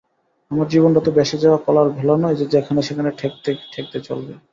আমার জীবনটা তো ভেসে-যাওয়া কলার ভেলা নয় যে যেখানে-সেখানে ঠেকতে ঠেকতে চলবে।